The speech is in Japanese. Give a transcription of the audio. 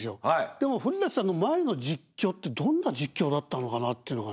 でも古さんの前の実況ってどんな実況だったのかなっていうのがね。